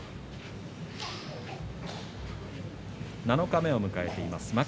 七日目を迎えています。